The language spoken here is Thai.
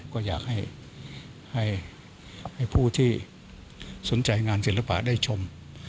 ก็อยากให้ผู้ที่สนใจงานศิลปะได้ชม